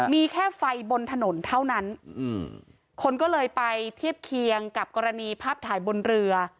มีแค่ไฟบนถนนเท่านั้นคนก็เลยไปเทียบเคียงกับกรณีภาพถ่ายบนเรือ